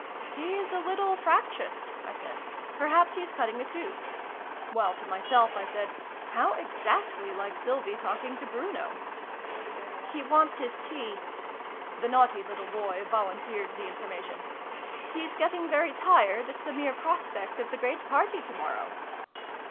" He's a little fractious," I said. " Perhaps he's cutting a tooth." While to myself I said " How exactly like Sylvie talking to Bruno !"" He wants his tea." (The naughty little boy volunteered the information.) " He's getting very tired, at the mere prospect of the great party to morrow